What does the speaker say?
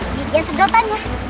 ini dia sedotannya